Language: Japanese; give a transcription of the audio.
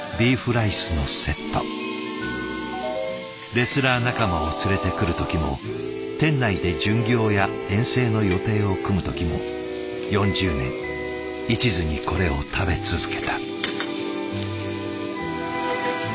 レスラー仲間を連れてくる時も店内で巡業や遠征の予定を組む時も４０年いちずにこれを食べ続けた。